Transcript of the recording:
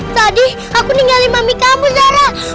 tadi aku ninggalin mami kamu zara